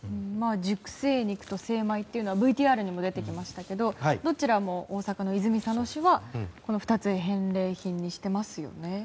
熟成肉と精米というのはＶＴＲにも出てきましたけどどちらも大阪の泉佐野市は２つを返礼品にしてますよね。